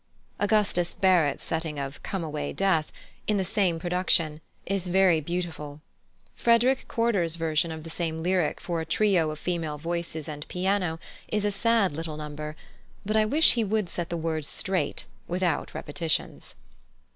+Augustus Barratt's+ setting of "Come away, Death," in the same production, is very beautiful. +Frederick Corder's+ version of the same lyric for a trio of female voices and piano is a sad little number; but I wish he would set the words straight, without repetitions.